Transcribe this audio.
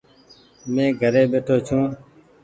مين گهري ٻيٺو ڇو۔